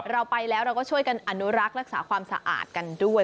เราไปแล้วเราก็ช่วยกันอนุรักษ์รักษาความสะอาดกันด้วย